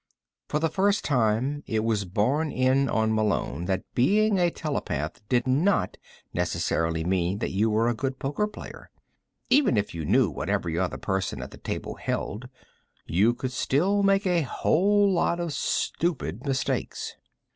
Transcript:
For the first time, it was borne in on Malone that being a telepath did not necessarily mean that you were a good poker player. Even if you knew what every other person at the table held, you could still make a whole lot of stupid mistakes.